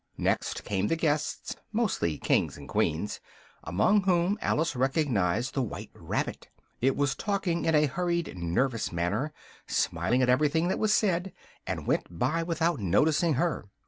Next came the guests, mostly kings and queens, among whom Alice recognised the white rabbit: it was talking in a hurried nervous manner, smiling at everything that was said, and went by without noticing her.